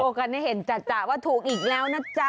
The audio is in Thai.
กันให้เห็นจัดว่าถูกอีกแล้วนะจ๊ะ